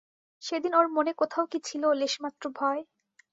সেদিন ওর মনে কোথাও কি ছিল লেশমাত্র ভয়।